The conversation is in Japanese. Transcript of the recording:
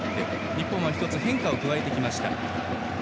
日本は１つ変化を加えました。